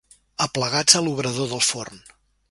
Aplegats a l'obrador del forn.